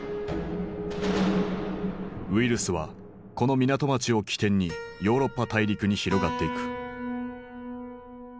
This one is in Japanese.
ウイルスはこの港町を起点にヨーロッパ大陸に広がっていく。